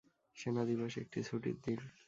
সেনা দিবস একটি ছুটির দিন।